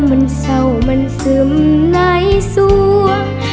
มันเศร้ามันซึมในสวง